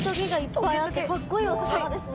かっこいいお魚ですね。